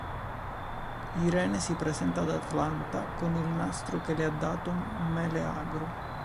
Irene si presenta ad Atalanta con il nastro che le ha dato Meleagro.